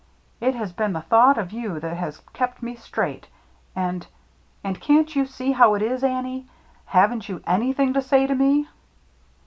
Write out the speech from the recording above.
It has been the thought of you that has kept me straight, and — and — can't you see how it is, Annie? Haven't you anything to say to me?"